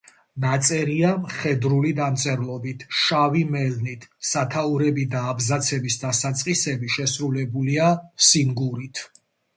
ნაწერია მხედრული დამწერლობით, შავი მელნით; სათაურები და აბზაცების დასაწყისები შესრულებულია სინგურით.